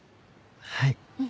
はい。